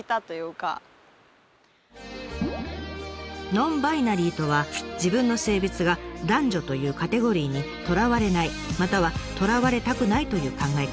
「ノンバイナリー」とは自分の性別が男女というカテゴリーにとらわれないまたはとらわれたくないという考え方。